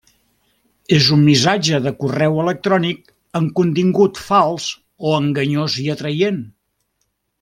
És un missatge de correu electrònic amb contingut fals o enganyós i atraient.